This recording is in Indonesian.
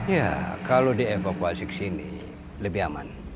ya kalau dievakuasi ke sini lebih aman